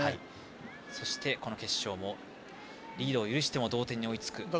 そしてこの決勝もリードを許しても同点に追いつくという。